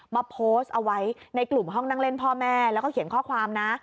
มาโพสต์เอาไว้ในกลุ่มห้องนั่งเล่นพ่อแม่แล้วก็เขียนข้อความนะ